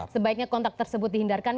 sebaiknya kontak tersebut dihindarkan